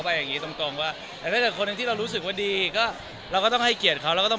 ไปแล้ว